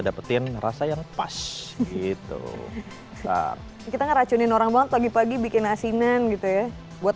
dapetin rasa yang pas gitu kita ngeracunin orang banget pagi pagi bikin asinan gitu ya buat